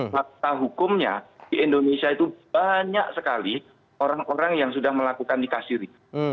fakta hukumnya di indonesia itu banyak sekali orang orang yang sudah melakukan nikah siri